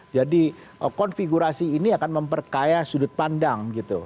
jadi konfigurasi ini akan memperkaya sudut pandang gitu